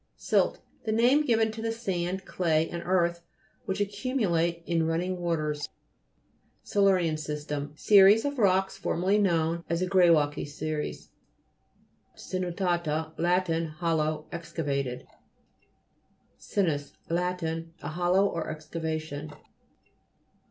SILT The name given to the sand, clay, and earth which accumulate in running waters. SILU'RIAIT STSTEM Series of rocks formerly known as the greywacke series (p. 28). SIITUA'TA Lat. Hollow, excavated. Si'srus Lat. A hollow or excava tion.